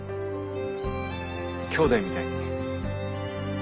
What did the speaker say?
きょうだいみたいに。